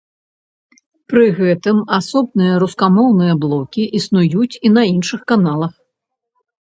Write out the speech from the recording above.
Пры гэтым асобныя рускамоўныя блокі існуюць і на іншых каналах.